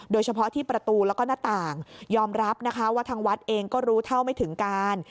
โดยเฉพาะที่ประตูแล้วก็หน้าต่างยอมรับนะคะว่าทางวัดเองก็รู้เท่าไม่ถึงการ